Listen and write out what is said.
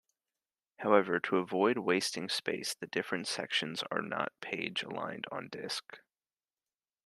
However, to avoid wasting space, the different sections are not page aligned on disk.